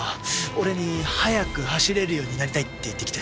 俺に「速く走れるようになりたい」って言ってきて。